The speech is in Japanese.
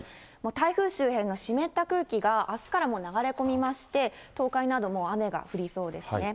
台風周辺の湿った空気があすからもう流れ込みまして、東海など、雨が降りそうですね。